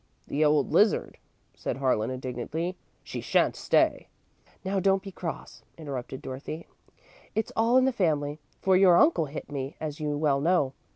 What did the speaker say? "The old lizard," said Harlan, indignantly. "She sha'n't stay!" "Now don't be cross," interrupted Dorothy. "It's all in the family, for your uncle hit me, as you well know.